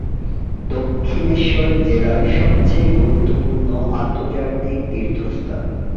দক্ষিণেশ্বর জেলার সবচেয়ে গুরুত্বপূর্ণ আন্তর্জাতিক তীর্থস্থান।